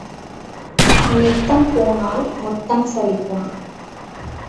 நித்தம் போனால் முத்தம் சலிக்கும்.